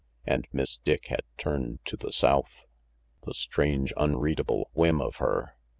And Miss Dick had turned to the south! The strange, unreadable whim of her!